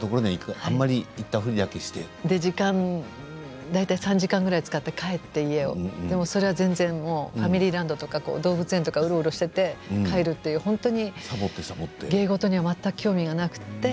時間、大体３時間ぐらい使って帰って家にファミリーランドとか動物園とかうろうろしていて帰るという芸事には全く興味がなくて。